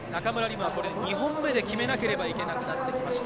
夢は２本目で決めなければいけなくなりました。